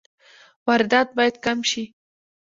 واردات باید کم شي